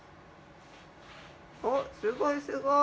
・おっすごいすごい！